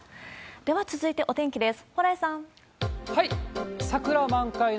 では続いてお天気です。